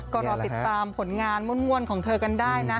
ก็รอติดตามผลงานม่วนของเธอกันได้นะ